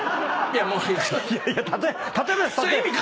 いやいや例えば。